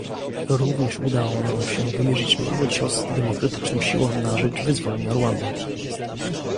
Również udało nam się wymierzyć mały cios Demokratycznym Siłom na rzecz Wyzwolenia Rwandy